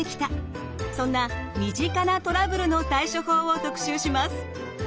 そんな身近なトラブルの対処法を特集します。